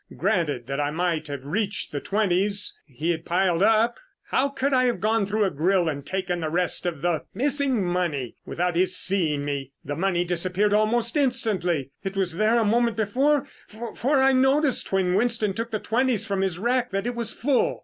Granted that I might have reached the twenties he had piled up, how could I have gone through a grill and taken the rest of the missing money without his seeing me? The money disappeared almost instantly. It was there a moment before, for I noticed when Winston took the twenties from his rack that it was full."